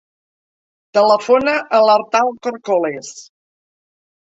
Telefona a l'Artal Corcoles.